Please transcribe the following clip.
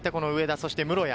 そして室屋。